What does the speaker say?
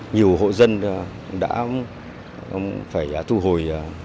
nhiều hộ dân đã phải thu hồi